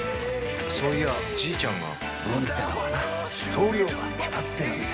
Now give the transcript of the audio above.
そういやじいちゃんが運ってのはな量が決まってるんだよ。